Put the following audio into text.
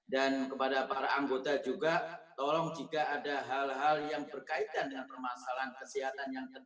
dan kepada para anggota juga tolong jika ada hal hal yang berkaitan dengan permasalahan kesehatan yang terjadi